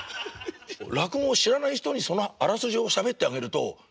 落語を知らない人にそのあらすじをしゃべってあげると「で？